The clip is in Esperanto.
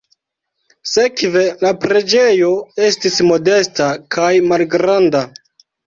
Sekve la preĝejo estis modesta kaj malgranda.